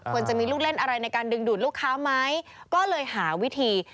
จะมีลูกเล่นอะไรในการดึงดูดลูกค้าไหมก็เลยหาวิธี